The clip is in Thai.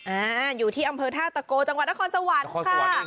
อ่าอยู่ที่อำเภอท่าตะโกจังหวัดนครสวรรค์ค่ะ